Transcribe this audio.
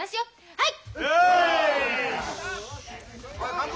はい！